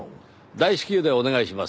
大至急でお願いします。